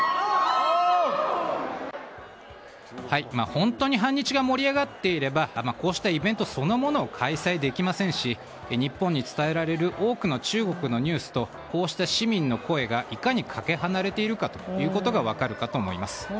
本当に反日が盛り上がっていればこうしたイベントそのものを開催できませんし日本に伝えられる多くの中国のニュースとこうした市民の声が、いかにかけ離れているかということが分かるかと思います。